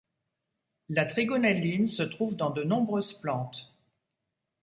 La trigonelline se trouve dans de nombreuses plantes.